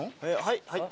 はいはい？